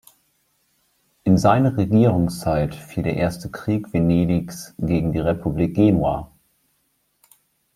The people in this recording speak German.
In seine Regierungszeit fiel der erste Krieg Venedigs gegen die Republik Genua.